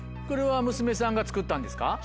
これは娘さんが作ったんですか？